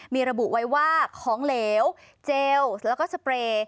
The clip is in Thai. มีระบุไว้ว่าของเหลวเจลแล้วก็สเปรย์